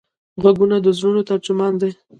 غوږونه د زړونو ترجمان دي